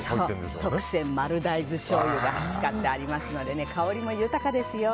特選丸大豆しょうゆを使ってますので香りも豊かですよ。